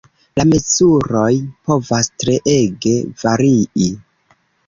La mezuroj povas treege varii.